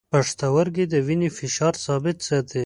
پښتورګي د وینې فشار ثابت ساتي.